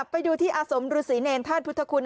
ไปดูที่อาสมฤษีเนรธาตุพุทธคุณ